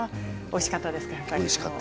おいしかったですね